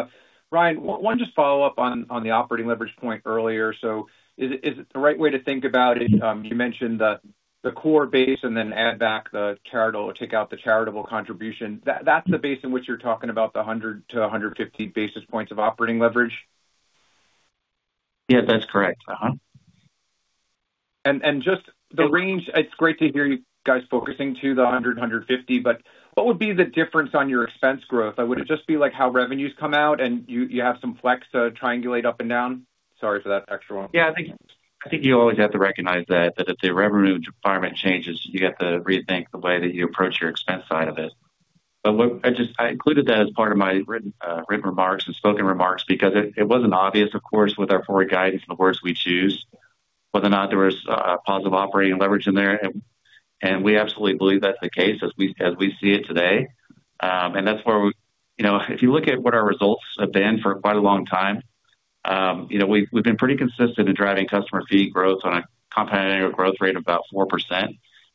Ryan, one just follow up on the operating leverage point earlier. So is it the right way to think about it? You mentioned the core base and then add back the charitable or take out the charitable contribution. That's the base in which you're talking about the 100-150 basis points of operating leverage. Yeah, that's correct. Just the range. It's great to hear you guys focusing to the 100, 150, but what would be the difference on your expense growth? Would it just be like how revenues come out and you have some flex triangulate up and down. Sorry for that extra one. Yeah, I think you always have to recognize that if the Revenue Department changes, you have to rethink the way that you approach your expense side of it. I included that as part of my written remarks and spoken remarks because it wasn't obvious. Of course, with our forward guidance and the words we choose whether or not there was positive operating leverage in there. We absolutely believe that's the case as we see it today. That's where we, you know, if you look at what our results have been for quite a long time, you know, we've been pretty consistent in driving customer fee growth on a compound annual growth rate of about 4%.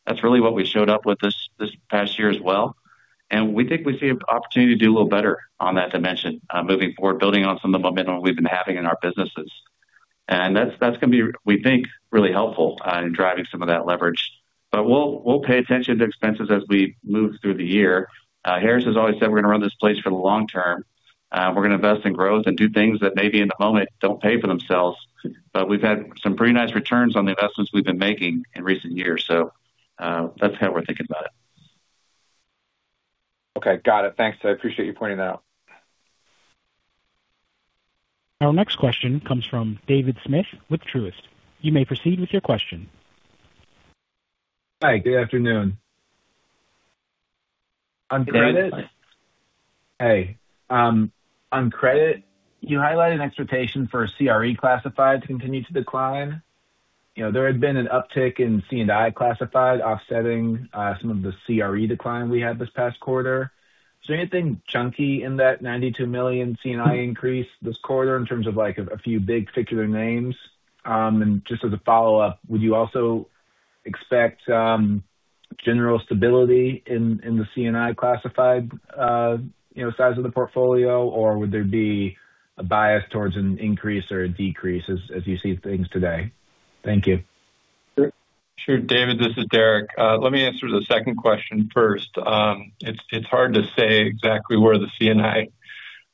That's really what we showed up with this past year as well. And we think we see an opportunity to do a little better on that dimension moving forward, building on some of the momentum we've been having in our businesses. And that's going to be, we think, really helpful in driving some of that leverage. But we'll pay attention to expenses as we move through the year. Harris has always said we're going to run this place for the long term. We're going to invest in growth and do things that maybe in the moment don't pay for themselves. But we've had some pretty nice returns on the investments we've been making in recent years. So that's how we're thinking about it. Okay, got it. Thanks. I appreciate you pointing that out. Our next question comes from David Smith at Truist. You may proceed with your question. Hi, good afternoon. Hey, David. Hey. On credit. You highlighted an expectation for CRE classified to continue to decline. You know, there had been an uptick in C&I classified offsetting some of the CRE decline we had this past quarter. Is there anything chunky in that $92 million C&I increase this quarter in terms of like a few big particular names? And just as a follow up, would you also expect general stability in the C&I classified size of the portfolio, or would there be a bias towards an increase or a decrease as you see things today. Thank you. Sure. David, this is Derek. Let me answer the second question first. It's hard to say exactly where the C&I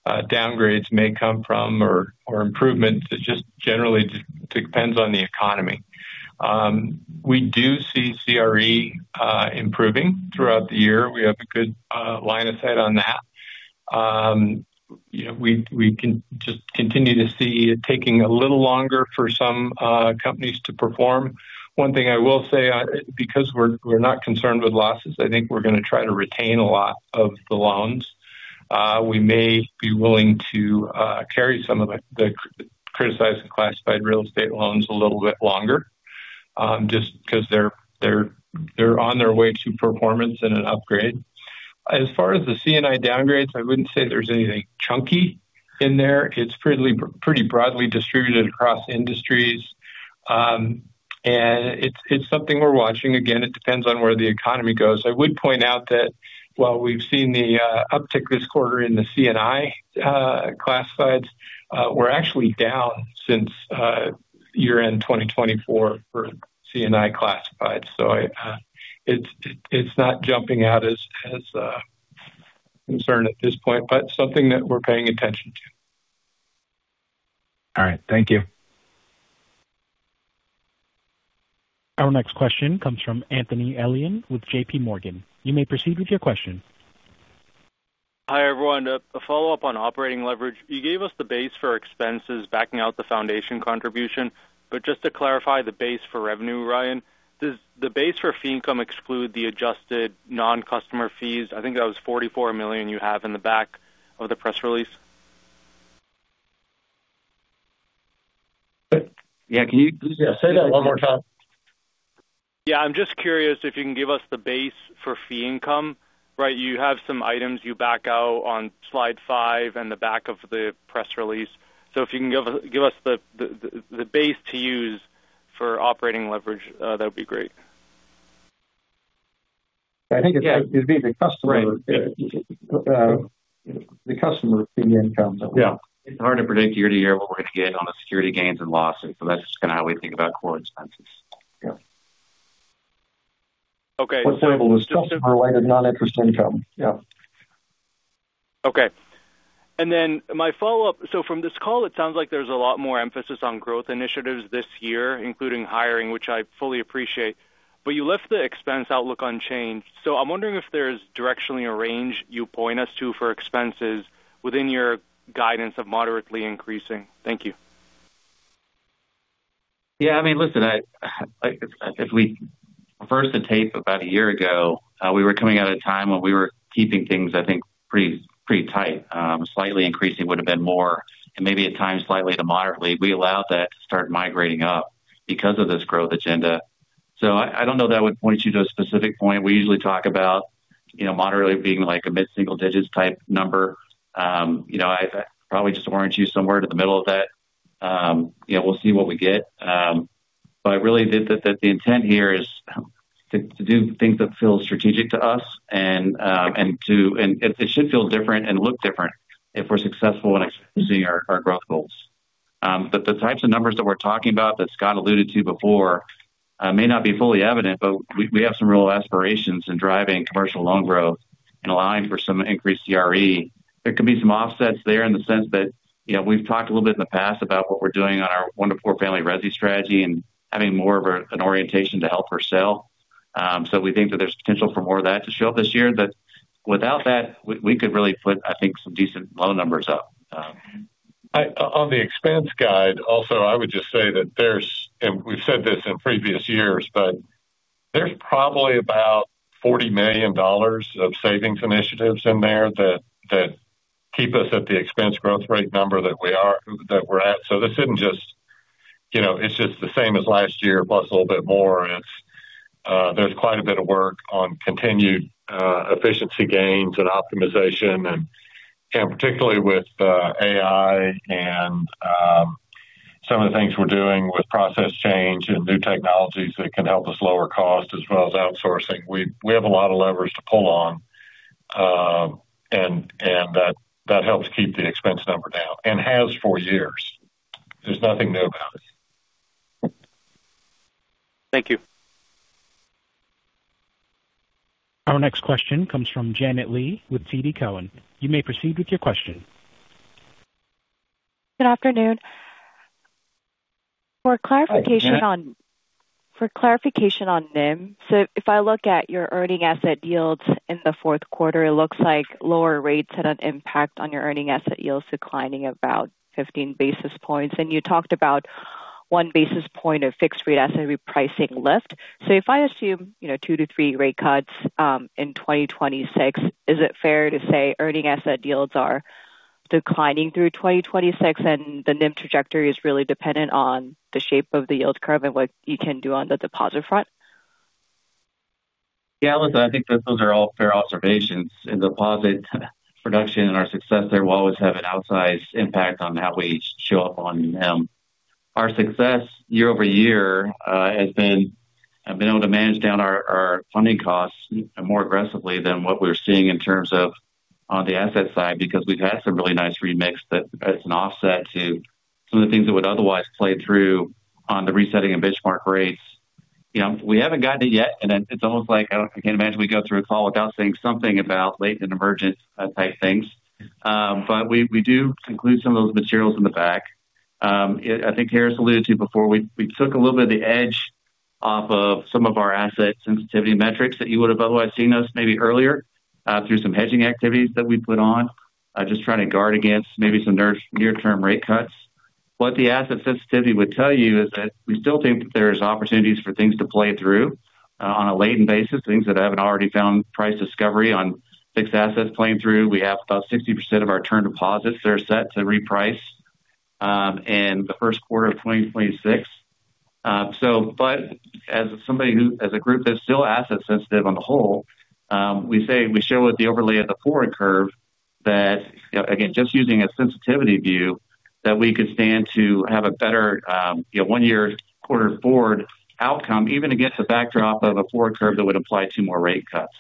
downgrades may come from or improvement too. It just generally depends on the economy. We do see CRE improving throughout the year. We have a good line of sight on that. We can just continue to see it taking a little longer for some companies to perform. One thing I will say, because we're not concerned with losses, I think we're going to try to retain a lot of the loans. We may be willing to carry some of the criticized and classified real estate loans a little bit longer just because they're on their way to performance and an upgrade. As far as the C&I downgrades, I wouldn't say there's anything chunky in there. It's pretty broadly distributed across industries and it's something we're watching. Again, it depends on where the economy goes. I would point out that while we've seen the uptick this quarter in the C&I classifieds, they were actually down since year-end 2024 for C&I classifieds. So it's not jumping out as concern at this point, but something that we're paying attention to. All right, thank you. Our next question comes from Anthony Elian with JPMorgan. You may proceed with your question. Hi everyone. A follow-up on operating leverage. You gave us the base for expenses backing out the foundation contribution. But just to clarify the base for revenue, Ryan, does the base for fee income exclude the adjusted noncustomer fees? I think that was $44 million you have in the back of the press release. Yeah, can you say that one more time? Yeah. I'm just curious if you can give us the base for fee income. Right. You have some items you back out on slide five and the back of the press release. So if you can give us the base to use for operating leverage, that would be great. I think it'd be the customer. The customer fee income. Yeah, it's hard to predict year to year what we're going to get on the security gains and losses. So that's kind of how we think about core expenses. Okay. (inaudible) Okay. And then my follow-up. So from this call, it sounds like there's a lot more emphasis on growth initiatives this year, including hiring, which I fully appreciate, but you left the expense outlook unchanged. So I'm wondering if there's directionally a range you point us to for expenses within your guidance of moderately increasing. Thank you. Yeah, I mean, listen, if we reverse the tape about a year ago, we were coming out of a time when we were keeping things, I think, pretty, pretty tight. Slightly increasing would have been more and maybe at times slightly to moderately. We allowed that to start migrating up because of this growth agenda. So I don't know. That would point you to a specific point. We usually talk about, you know, moderately being like a mid single digits type number. You know, I probably just warn you somewhere to the middle of that, you know, we'll see what we get. But I really did that the intent here is to do things that feel strategic to us and it should feel different and look different if we're successful in seeing our growth goals. The types of numbers that we're talking about that Scott alluded to before may not be fully evident. We have some real aspirations in driving commercial loan growth and allowing for some increased CRE. There could be some offsets there in the sense that, you know, we've talked a little bit in the past about what we're doing on our one-to-four family resi strategy and having more of an orientation to held for sale. So we think that there's potential for more of that to show up this year. That without that we could really put, I think, some decent loan numbers up. On the expense guide also, I would just say that there's, and we've said this in previous years, but there's probably about $40 million of savings initiatives in there that keep us at the expense growth rate number that we are, that we're at. So this isn't just, you know, it's just the same as last year plus a little bit more. There's quite a bit of work on continued efficiency gains and optimization and particularly with AI and some of the things we're doing with process change and new technologies that can help us lower cost as well as outsourcing, we have a lot of levers to pull on. And that helps keep the expense number down and has for years. There's nothing new about it. Thank you. Our next question comes from Janet Lee with TD Cowen. You may proceed with your question. Good afternoon. For clarification on NIM. So if I look at your earning asset yields in the fourth quarter, it looks like lower rates had an impact on your earning asset yields declining about 15 basis points. And you talked about one basis point of fixed rate asset repricing lift. So if I assume two to three rate cuts in 2026, is it fair to say earning asset yields are declining through 2026 and the NIM trajectory is really dependent on the shape of the yield curve and what you can do on the deposit front? Yeah, listen. I think that those are all fair observations in deposit production, and our success there will always have an outsized impact on how we show up on them. Our success year-over-year has been able to manage down our funding costs more aggressively than what we're seeing in terms of on the asset side because we've had some really nice remix that it's an offset to some of the things that would otherwise play through on the resetting and benchmark rates. You know, we haven't gotten it yet, and it's almost like I can't imagine we go through a call without saying something about latent emergent type things, but we do include some of those materials in the back. I think Harris alluded to before we took a little bit of the edge off of some of our asset sensitivity metrics that you would have otherwise seen us maybe earlier through some hedging activities that we put on just trying to guard against maybe some near term rate cuts. What the asset sensitivity would tell you is that we still think that there's opportunities for things to play through on a latent basis, things that haven't already found price discovery on fixed assets playing through. We have about 60% of our term deposits that are set to reprice in the first quarter of 2026. So, but as somebody who, as a group that's still asset sensitive on the whole, we say we show with the overlay of the forward curve that, again, just using a sensitivity view, that we could stand to have a better one-year quarter-forward outcome even against the backdrop of a forward curve that would apply two more rate cuts.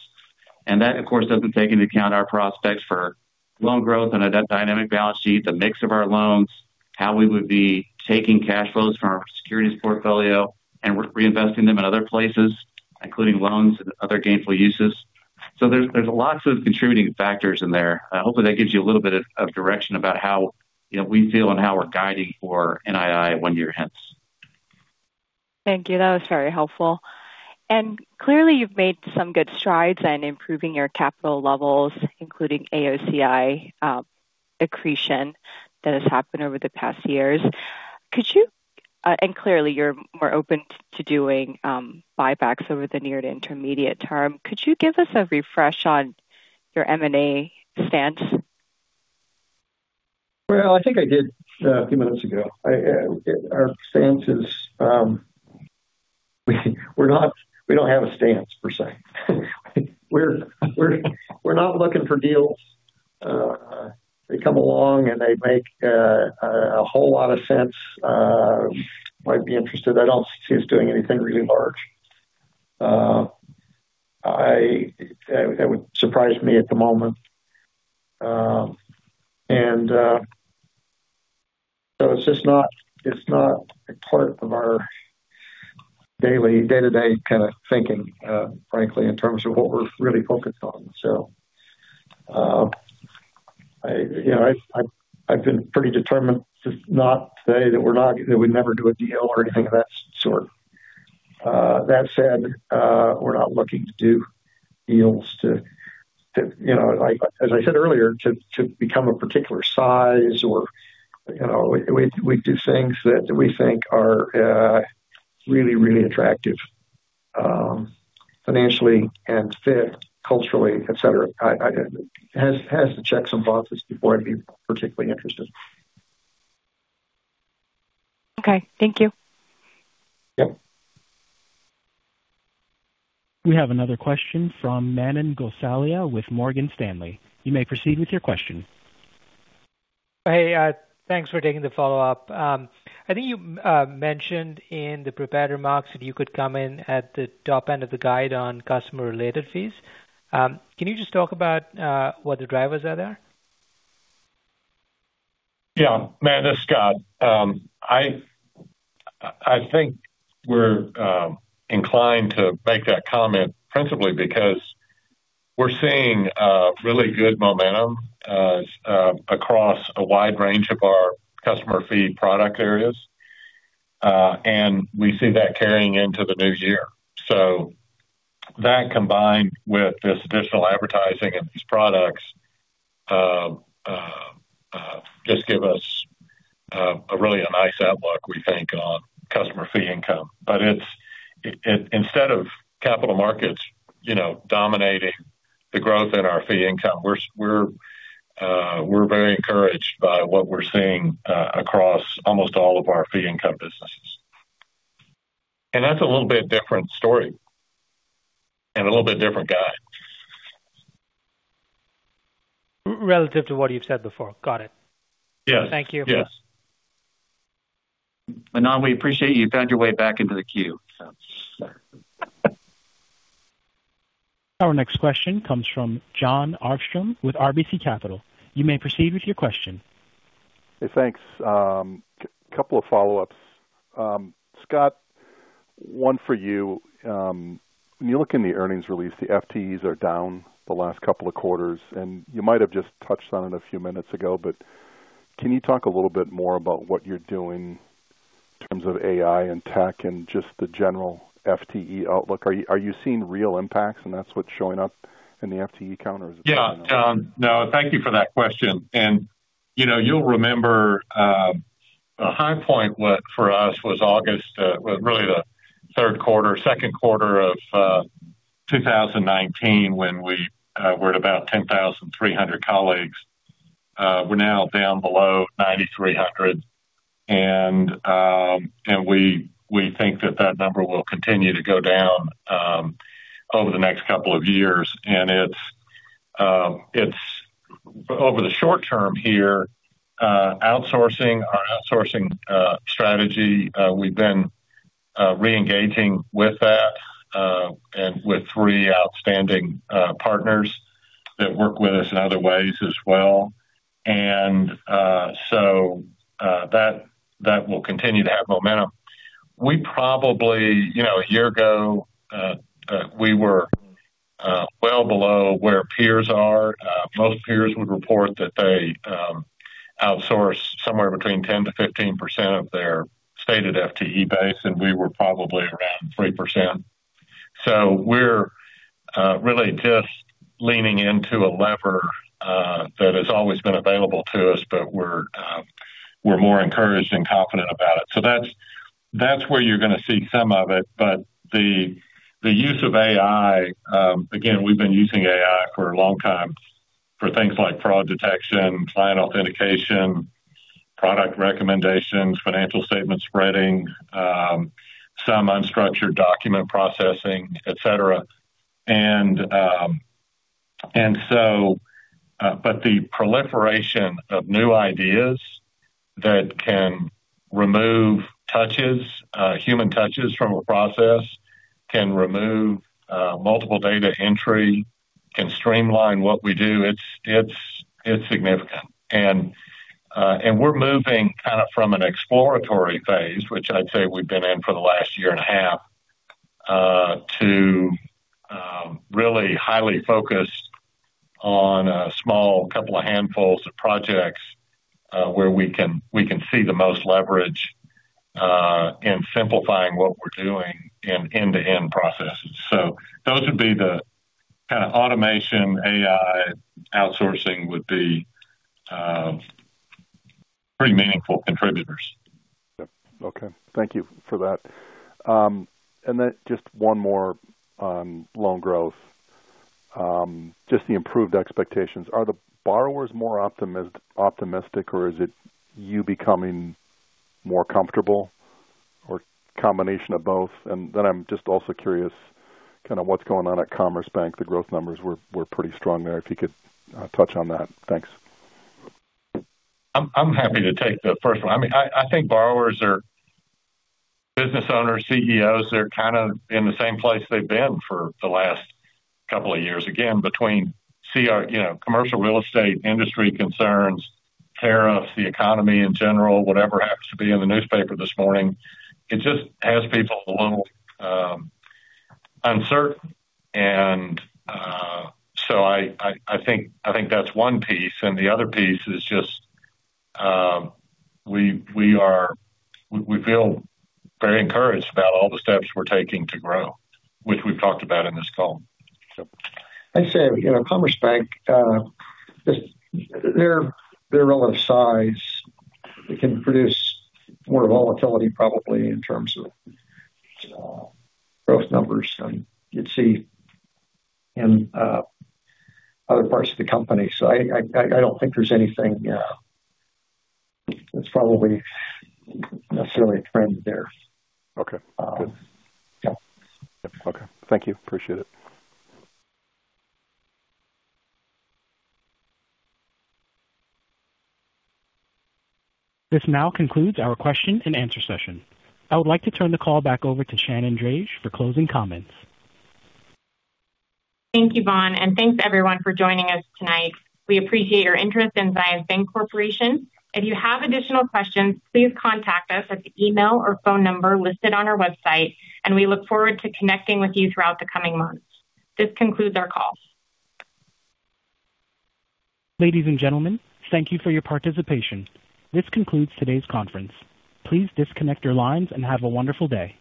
And that, of course, doesn't take into account our prospects for loan growth on a debt dynamic balance sheet. The mix of our loans, how we would be taking cash flows from our securities portfolio and reinvesting them in other places, including loans and other gainful uses. So there's lots of contributing factors in there. Hopefully that gives you a little bit of direction about how we feel and how we're guiding for NII one year hence. Thank you, that was very helpful and clearly you've made some good strides in improving your capital levels and including AOCI on. That has happened over the past years. Could you, clearly you're more open to doing buybacks over the near to intermediate term. Could you give us a refresh on your M&A stance? I think I did a few minutes ago. Our stance is we don't have a stance per se. We're not looking for deals. They come along and they make a whole lot of sense. Might be interested. I don't see us doing anything really large that would surprise me at the moment. So it's just not part of our day-to-day kind of thinking, frankly, in terms of what we're really focused on. So, I've been pretty determined, not today, that we're not, that we'd never do a deal or anything of that sort. That said, we're not looking to do deals, as I said earlier, to become a particular size or, you know, we do things that we think are really, really attractive financially and fit culturally, et cetera. Has to check some boxes before I'd be particularly interested. Okay, thank you. We have another question from Manan Gosalia with Morgan Stanley. You may proceed with your question. Hey, thanks for taking the follow up. I think you mentioned in the prepared remarks that you could come in at the top end of the guide on customer related fees. Can you just talk about what the drivers are there? Yeah, man. This is Scott. I think we're inclined to make that comment principally because we're seeing really good momentum across a wide range of our customer fee product areas, and we see that carrying into the new year, so that combined with this additional advertising and these products just give us really a nice outlook. We think of customer fee income, but it's instead of capital markets dominating the growth in our fee income; we're very encouraged by what we're seeing across almost all of our fee income businesses, and that's a little bit different story. A little bit different guide. Relative to what you've said before. Got it. Yes, yes. Thank you. Manan, we appreciate you found your way back into the queue. Our next question comes from Jon Arfstrom with RBC Capital Markets. You may proceed with your question. Thanks. Couple of follow-ups, Scott, one for you. When you look in the earnings release, the FTEs are down the last couple of quarters and you might have just touched on it a few minutes ago, but can you talk a little bit more about what you're doing in terms of AI and tech and just the general FTE outlook? Are you seeing real impacts and that's what's showing up in the FTE counters? No. Thank you for that question, and you know, you'll remember a high point for us was August, really the third quarter, second quarter of 2019, when we were at about 10,300 colleagues. We're now down below 9,300, and we think that that number will continue to go down over the next couple of years and it's over the short term here. Outsourcing, our outsourcing strategy, we've been reengaging with that and with three outstanding partners that work with us in other ways as well, and so that will continue to have momentum. We probably, you know, a year ago we were well below where peers are. Most peers would report that they outsource somewhere between 10%-15% of their stated FTE base and we were probably around 3%. So we're really just leaning into a lever that has always been available to us. But we're more encouraged and confident about it. So that's where you're going to see some of it. But the use of AI again, we've been using AI for a long time for things like fraud detection, client authentication, product recommendations, financial statement spreading, some unstructured document processing, et cetera, and so. But the proliferation of new ideas that can remove touches, human touches from a process, can remove multiple data entry, can streamline what we do. It's significant and we're moving kind of from an exploratory Q&A, which I'd say we've been in for the last year and a half, to really highly focus on a small couple of handfuls of projects where we can see the most leverage in simplifying what we're doing in end-to-end processes. So those would be the kind of automation, AI outsourcing would be pretty meaningful contributors. Okay, thank you for that. And then just one more on loan growth. Just the improved expectations. Are the borrowers more optimistic or is it you becoming more comfortable or combination of both. And then I'm just also curious, kind of what's going on at Commerce Bank. The growth numbers were pretty strong there. If you could touch on that. Thanks. I'm happy to take the first one. I mean, I think borrowers are business owners, CEOs, they're kind of in the same place they've been for the last couple of years. Again between commercial real estate, industry concerns, tariffs, the economy in general. Whatever happens to be in the newspaper this morning, it just has people a little uncertain. And so I think that's one piece and the other piece is just. We feel very encouraged about all the steps we're taking to grow, which we've talked about it in this call. I'd say Commerce Bank, their relative size, it can produce more volatility probably in terms of growth numbers than you'd see in other parts of the company. So I don't think there's anything that's probably necessarily a trend there. Okay. Thank you. Appreciate it. This now concludes our Q&A session. I would like to turn the call back over to Shannon Drage for closing comments. Thank you, Vaughn. Thanks, everyone, for joining us tonight. We appreciate your interest in Zions Bancorporation. If you have additional questions, please contact us at the email or phone number listed on our website. We look forward to connecting with you throughout the coming months. This concludes our call. Ladies and gentlemen, thank you for your participation. This concludes today's conference. Please disconnect your lines and have a wonderful day.